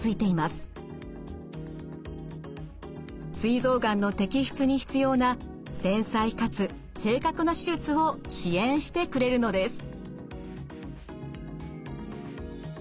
すい臓がんの摘出に必要な繊細かつ正確な手術を支援してくれるのです。